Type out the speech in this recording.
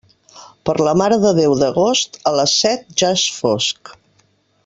Per la Mare de Déu d'Agost, a les set ja és fosc.